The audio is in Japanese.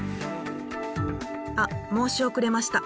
あっ申し遅れました。